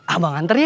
abang antar ya